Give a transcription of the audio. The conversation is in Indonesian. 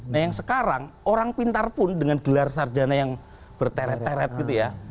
nah yang sekarang orang pintar pun dengan gelar sarjana yang berteret terret gitu ya